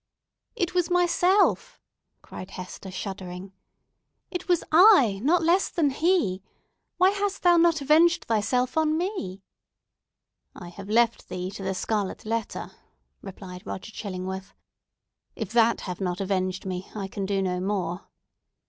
"It was myself," cried Hester, shuddering. "It was I, not less than he. Why hast thou not avenged thyself on me?" "I have left thee to the scarlet letter," replied Roger Chillingworth. "If that has not avenged me, I can do no more!"